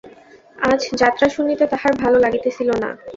আজ যাত্রা শুনিতে তাহার ভালো লাগিতেছিল না।